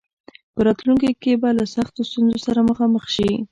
په راتلونکي کې به له سختو ستونزو سره مخامخ شي.